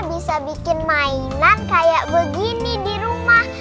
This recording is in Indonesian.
bisa bikin mainan kayak begini di rumah